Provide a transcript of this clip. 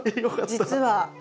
実は。